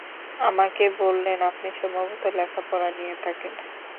আমাকে বললেন, আপনি সম্ভবত লেখাপড়া নিয়ে থাকেন।